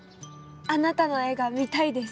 あなたの絵が見たいです。